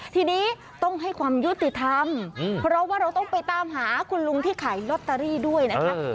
ทีนี้ต้องให้ความยุติธรรมเพราะว่าเราต้องไปตามหาคุณลุงที่ขายลอตเตอรี่ด้วยนะคะ